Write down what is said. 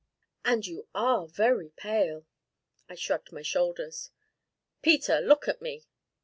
"And you are very pale!" I shrugged my shoulders. "Peter look at me."